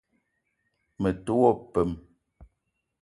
Me te wo peum.